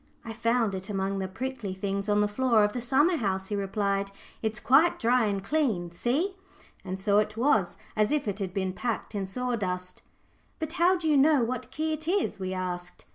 "I found it among the prickly things on the floor of the summer house," he replied. "It's quite dry and clean, see!" and so it was, as if it had been packed in sawdust. "But how do you know what key it is?" we asked.